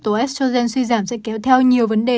tổ estrogen suy giảm sẽ kéo theo nhiều vấn đề